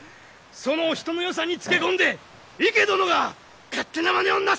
そのお人のよさにつけ込んで池殿が勝手なまねをなされたのです！